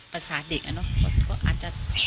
ภาษาเด็กเอ๊ยเนอะอันเนอะก็อาจจะ